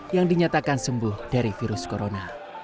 yang dinyatakan sembuh dari virus corona